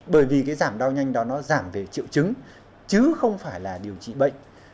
bởi vì cái giảm đau nhanh đó nó giảm về triệu chứng chứ không phải là điều trị bệnh